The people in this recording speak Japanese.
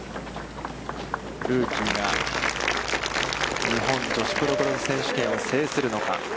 ルーキーが、日本女子プロゴルフ選手権を制するのか。